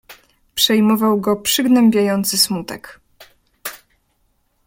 "Przejmował go przygnębiający smutek."